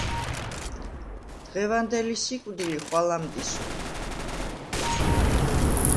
დღევანდელი სიკვდილი ხვალამდისო